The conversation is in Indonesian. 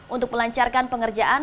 untuk melancarkan pengerjaan